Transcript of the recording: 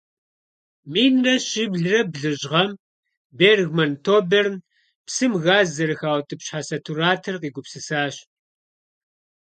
Минрэ щиблрэ блыщI гъэм Бергман Тоберн псым газ зэрыхаутIыпщхьэ сатуратор къигупсысащ.